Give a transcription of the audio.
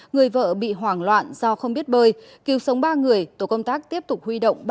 người vợ bị hoảng loạn do không biết bơi cứu sống ba người tổ công tác tiếp tục huy động